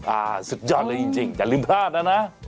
อ่าสุดยอดเลยจริงอย่าลืมพลาดนะนะ